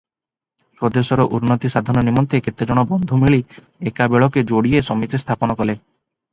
ସ୍ୱଦେଶର ଉନ୍ନତି ସାଧନ ନିମନ୍ତେ କେତେଜଣ ବନ୍ଧୁ ମିଳି ଏକାବେଳକେ ଯୋଡ଼ିଏ ସମିତି ସ୍ଥାପନ କଲେ ।